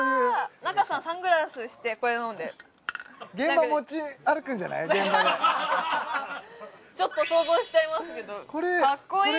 仲さんサングラスしてこれ飲んで現場でちょっと想像しちゃいますけどカッコいい！